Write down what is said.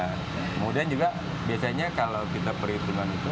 kemudian juga biasanya kalau kita perhitungan itu